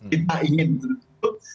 kita ingin untuk